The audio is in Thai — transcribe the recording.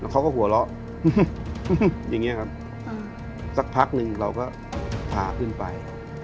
เขาก็หัวเราะอย่างนี้ครับสักพักหนึ่งเราก็พาขึ้นไป